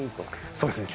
そうですね。